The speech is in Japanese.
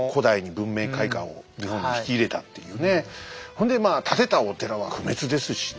ほんで建てたお寺は不滅ですしね